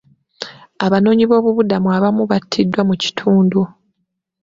Abanoonyiboobubudamu abamu battiddwa mu kitundu.